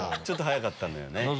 ちょっと早かったね。